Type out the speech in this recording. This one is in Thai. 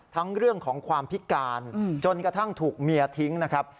เรื่องของความพิการจนกระทั่งถูกเมียทิ้งนะครับ